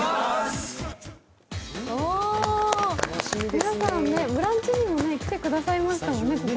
皆さん、「ブランチ」にも来てくださいましたもんね。